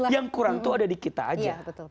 yang kurang tuh ada di kita aja